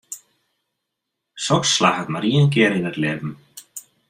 Soks slagget mar ien kear yn it libben.